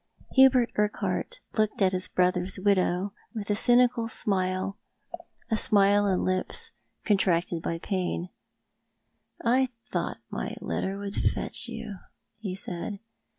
Hubert U rquhart looked at his brother's widow with a cynical smile — a smile on lips contracted by pain. " I thought ray letter would fetch you," he said.